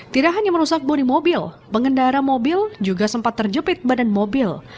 tidak hanya merusak bodi mobil pengendara mobil juga sempat terjepit badan mobil